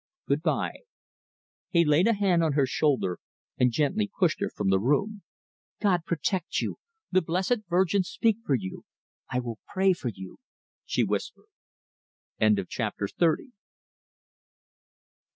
Good bye." He laid a hand on her shoulder and gently pushed her from the room. "God protect you! The Blessed Virgin speak for you! I will pray for you," she whispered. CHAPTER XXXI.